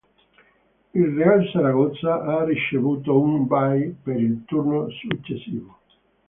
Il Real Saragozza ha ricevuto un "bye" per il turno successivo.